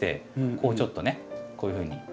こうちょっとねこういうふうに。